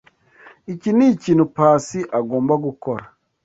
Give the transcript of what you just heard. Iki nikintu Pacy agomba gukora.